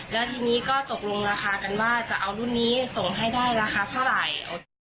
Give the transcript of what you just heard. แล้วทีนี้ก็ตกลงราคากันว่าจะเอารุ่นนี้ส่งให้ได้ราคาเท่าไหร่